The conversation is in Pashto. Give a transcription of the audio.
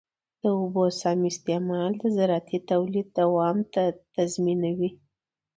د اوبو سم استعمال د زراعتي تولید دوام تضمینوي.